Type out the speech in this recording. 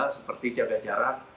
seperti jaga jarak